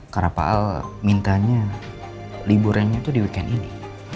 karena pak al mintanya liburannya itu di weekend ini